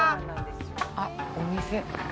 あっ、お店。